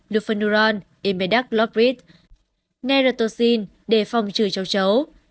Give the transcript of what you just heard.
lufanuron imedac logrit neratocin để phòng trừ châu chấu